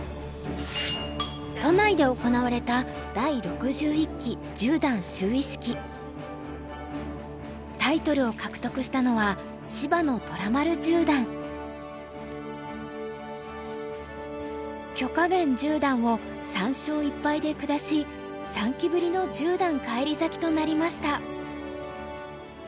都内で行われたタイトルを獲得したのは許家元十段を３勝１敗で下し３期ぶりの十段返り咲きとなりました。